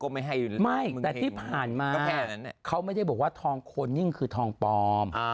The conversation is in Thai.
ไม่แต่ที่ผ่านมาเขาไม่ได้บอกว่าทองโครนิ่งคือทองปลอม